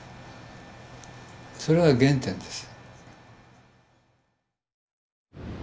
それが原点です。